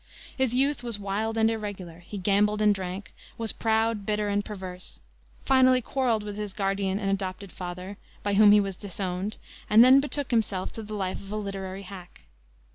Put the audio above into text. His youth was wild and irregular: he gambled and drank, was proud, bitter and perverse; finally quarreled with his guardian and adopted father by whom he was disowned and then betook himself to the life of a literary hack.